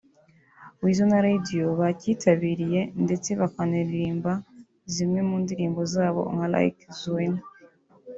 Weasel na Radio bacyitabiriye ndetse bakanaririmba zimwe mu ndirimbo zabo nka like 'Zuena'